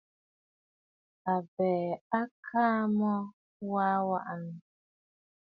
Àbɛ̀ɛ̀ à kà mə aa wanə.